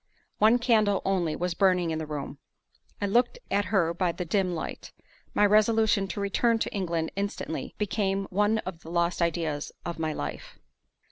One candle only was burning in the room. I looked at her by the dim light. My resolution to return to England instantly became one of the lost ideas of my life.